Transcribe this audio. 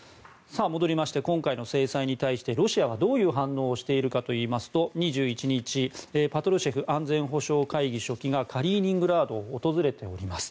戻りまして今回の制裁に対してロシアはどういう反応をしているかといいますと２１日パトルシェフ安全保障会議書記がカリーニングラードを訪れております。